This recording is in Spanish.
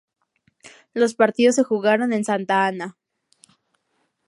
Los partidos se jugaron en Santa Ana.